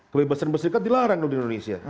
kebebasan berserikat dilarang untuk di indonesia